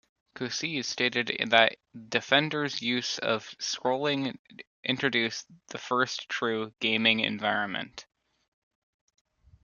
Cuciz stated that "Defender"s use of scrolling introduce the "first true 'gaming environment'".